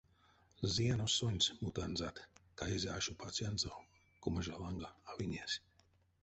Зыянось сонсь мутанзат, — каизе ашо пацянзо кумажа ланга авинесь.